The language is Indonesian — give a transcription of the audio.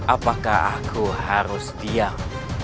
apakah aku harus diam